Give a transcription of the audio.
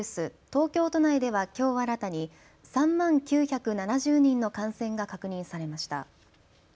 東京都内ではきょう新たに３万９７０人の感染が確認されました。